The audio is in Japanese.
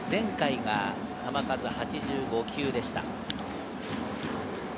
前回が球数８５球でした。